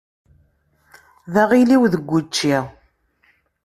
D aɣiliw deg učči.